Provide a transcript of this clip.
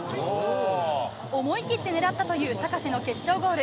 思い切って狙ったという高瀬の決勝ゴール。